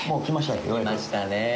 来ましたね。